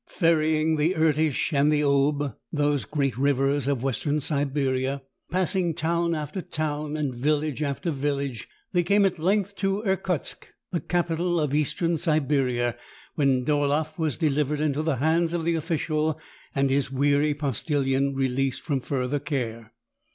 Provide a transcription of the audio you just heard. Ferrying the Irtish and the Ob, those great rivers of Western Siberia, passing town after town, and village after village, they came at length to Irkutsk, the capital of Eastern Siberia, when Dolaeff was delivered into the hands of the official, and his weary postillion released from further care.